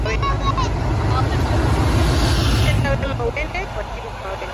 Tenda wema uende, wajibu kwa wema